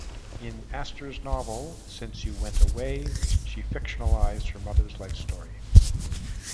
In Astor's novel, "Since You Went Away", she fictionalized her mother's life story.